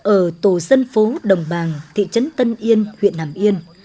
ở tổ dân phố đồng bàng thị trấn tân yên huyện hàm yên